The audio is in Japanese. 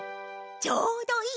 ちょうどいい！